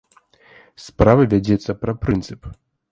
Справа вядзецца пра прынцып.